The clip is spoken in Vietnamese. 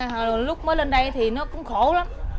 hồi lúc mới lên đây thì nó cũng khổ lắm